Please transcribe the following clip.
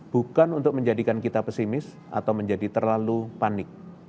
bukan untuk menjadikan kita pesimis atau menjadi terlalu panik